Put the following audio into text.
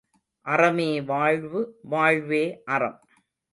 அறமே வாழ்வு வாழ்வே அறம்!